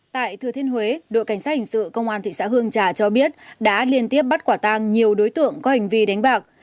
tại thừa thiên huế đội cảnh sát hình sự công an thị xã hương trà cho biết đã liên tiếp bắt quả tang nhiều đối tượng có hành vi đánh bạc